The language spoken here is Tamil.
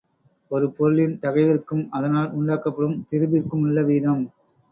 ஒரு பொருளின் தகைவிற்கும் அதனால் உண்டாக்கப்படும் திரிபிற்குமுள்ள வீதம்.